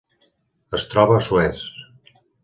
Es troba a Suez.